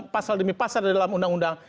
pasal demi pasal di dalam undang undang